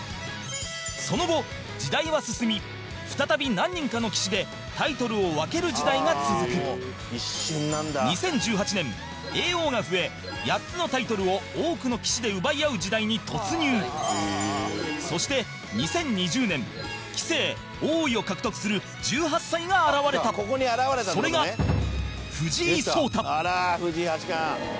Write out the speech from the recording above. その後、時代は進み再び何人かの棋士でタイトルを分ける時代が続く２０１８年、叡王が増え８つのタイトルを、多くの棋士で奪い合う時代に突入そして、２０２０年棋聖、王位を獲得する１８歳が現れたそれが、藤井聡太山崎：あら！藤井八冠。